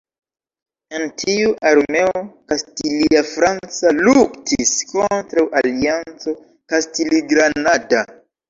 En tiu, armeo kastilia-franca luktis kontraŭ alianco kastili-granada.